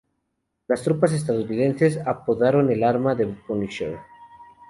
Las tropas estadounidenses apodaron al arma "The Punisher".